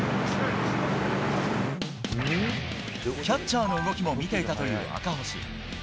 キャッチャーの動きも見ていたという赤星。